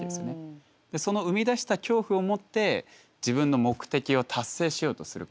その生み出した恐怖をもって自分の目的を達成しようとする行為。